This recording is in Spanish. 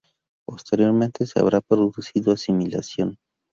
Posteriormente se habrá producido asimilación.